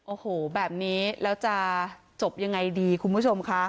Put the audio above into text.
โอ้โหแบบนี้แล้วจะจบยังไงดีคุณผู้ชมค่ะ